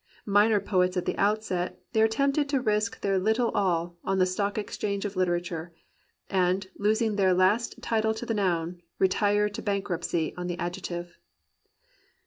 Minor poets at the outset, they are tempted to risk their httle all on the stock exchange of Hterature, and, losing their last title to the noun, retire to bank ruptcy on the adjective.